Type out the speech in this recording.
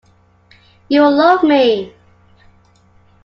You love me.